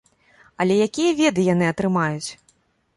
Але якія веды яны атрымаюць?